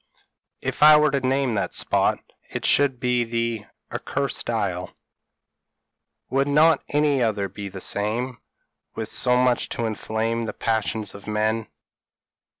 p> "If I were to name that spot, it should be the 'Accursed Isle .'" "Would not any other be the same, with so much to inflame the passions of men?"